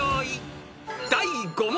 ［第５問］